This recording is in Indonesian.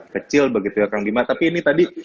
kecil begitu ya kang bima tapi ini tadi